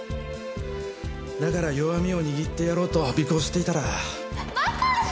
だから弱みを握ってやろうと尾行していたら。